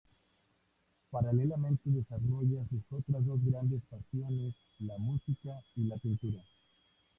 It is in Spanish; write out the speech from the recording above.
Paralelamente desarrolla sus otras dos grandes pasiones: la música y la pintura.